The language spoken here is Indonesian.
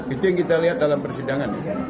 itu yang kita lihat dalam persidangan